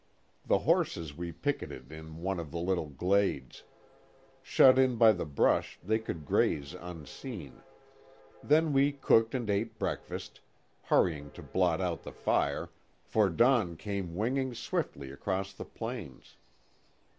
The horses we picketed in one of the little glades. Shut in by the brush, they could graze unseen. Then we cooked and ate breakfast, hurrying to blot out the fire, for dawn came winging swiftly across the plains.